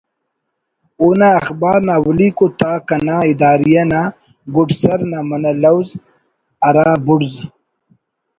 اونا اخبار نا اولیکو تاک انا اداریہ نا گڈ سر نا منہ لوز ہرا بڑز